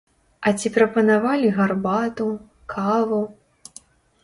А ці прапанавалі гарбату, каву?